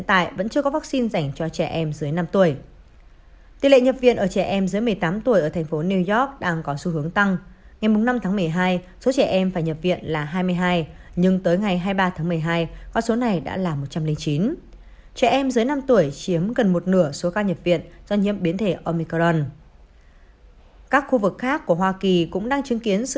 tại bang này tỷ lệ nhập viện ở trẻ em dưới một mươi bảy tuổi tăng một trăm hai mươi năm so với bốn tuần trước đó